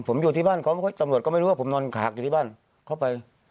ผมอยู่ที่บ้านเขาตำรวจก็ไม่รู้ว่าผมนอนขากอยู่ที่บ้านเข้าไป